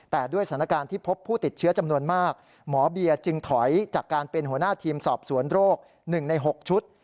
แต่ด้วยสถานการณ์ที่พบผู้ติดเชื้อจำนวนมากหมอเบียจึงถอยจากการเป็นหัวหน้าทีมสอบสวนโรค๑ใน๖ชุด